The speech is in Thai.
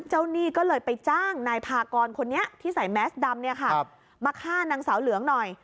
หนี้ก็เลยไปจ้างนายพากรคนนี้ที่ใส่แมสดำมาฆ่านางสาวเหลืองหน่อย